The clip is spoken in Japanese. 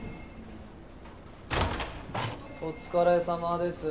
お疲れさまです。